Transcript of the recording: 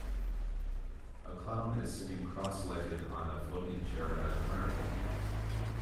A clown is sitting crosslegged on a folding chair at a carnival.